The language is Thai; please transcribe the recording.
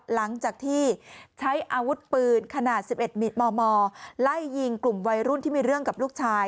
หลังจากที่ใช้อาวุธปืนขนาด๑๑มิดมไล่ยิงกลุ่มวัยรุ่นที่มีเรื่องกับลูกชาย